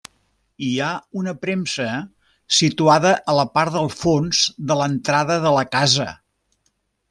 Hi ha una premsa situada a la part del fons de l'entrada de la casa.